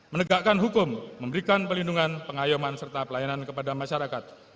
menegakkan hukum memberikan pelindungan pengayuman serta pelayanan kepada masyarakat